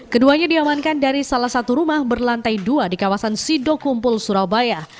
keduanya diamankan dari salah satu rumah berlantai dua di kawasan sidokumpul surabaya